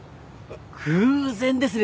偶然ですね。